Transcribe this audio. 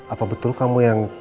apa betul kamu yang